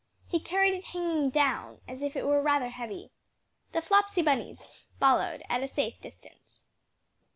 He carried it hanging down, as if it were rather heavy. The Flopsy Bunnies followed at a safe distance.